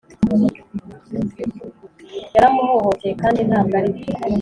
yaramuhohoteye kndi ntabwo aribyo